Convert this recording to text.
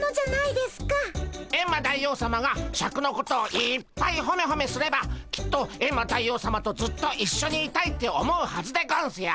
エンマ大王さまがシャクのことをいっぱいホメホメすればきっとエンマ大王さまとずっといっしょにいたいって思うはずでゴンスよ。